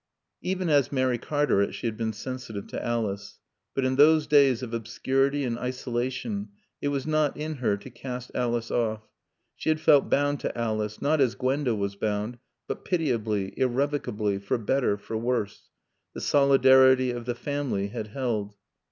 Even as Mary Cartaret she had been sensitive to Alice. But in those days of obscurity and isolation it was not in her to cast Alice off. She had felt bound to Alice, not as Gwenda was bound, but pitiably, irrevocably, for better, for worse. The solidarity of the family had held.